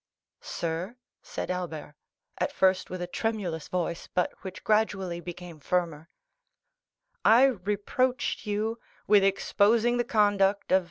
"Sir," said Albert, at first with a tremulous voice, but which gradually became firmer, "I reproached you with exposing the conduct of M.